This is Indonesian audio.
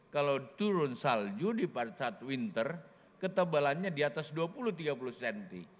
kalau turun salju di pada saat winter ketebalannya di atas dua puluh tiga puluh cm